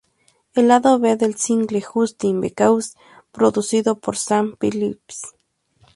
El lado B del single "Just Because", producido por Sam Phillips.